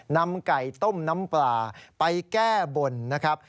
นำไก่ต้มน้ำปลาไปแก้บนนะครับ